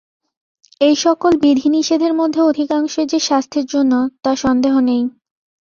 এই সকল বিধি-নিষেধের মধ্যে অধিকাংশই যে স্বাস্থ্যের জন্য, তার সন্দেহ নেই।